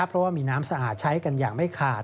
เพราะว่ามีน้ำสะอาดใช้กันอย่างไม่ขาด